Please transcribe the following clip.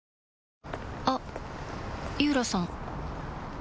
あっ井浦さん